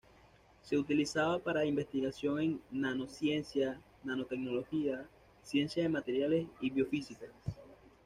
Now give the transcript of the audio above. Se la utilizaba para investigación en nanociencia, nanotecnología, ciencia de materiales y biofísica.